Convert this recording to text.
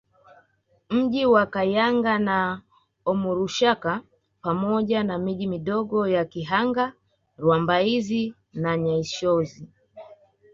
Mji wa Kayanga na Omurushaka pamoja na miji midogo ya Kihanga Rwambaizi na Nyaishozi